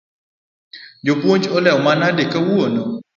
Japuonj olewo manade kawuono?